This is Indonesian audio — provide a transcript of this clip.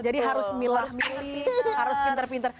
jadi harus milah milih harus pinter pinter